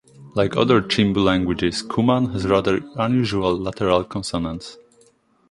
Like other Chimbu languages, Kuman has rather unusual lateral consonants.